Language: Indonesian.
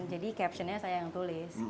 jadi captionnya saya yang tulis